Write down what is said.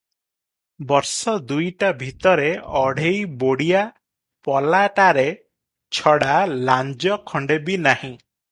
ବର୍ଷ ଦୁଇଟା ଭିତରେ ଅଢ଼େଇ ବୋଡ଼ିଆ ପଲାଟାରେ ଛଡ଼ା ଲାଞ୍ଜ ଖଣ୍ଡେ ବି ନାହିଁ ।